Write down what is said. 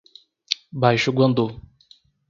Baixo Guandu